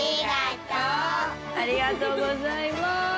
ありがとうございます！